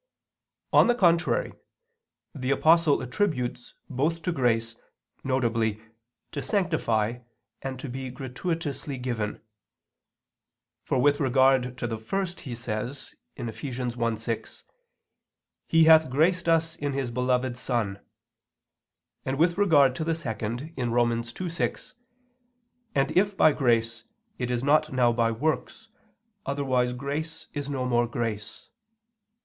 On the contrary, The Apostle attributes both to grace, viz. to sanctify and to be gratuitously given. For with regard to the first he says (Eph. 1:6): "He hath graced us in His beloved son." And with regard to the second (Rom. 2:6): "And if by grace, it is not now by works, otherwise grace is no more grace."